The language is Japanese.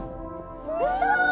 うそ！